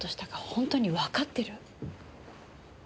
本当にわかってる？